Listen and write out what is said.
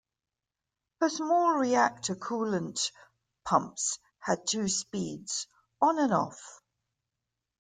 Her small reactor coolant pumps had two speeds: On and Off.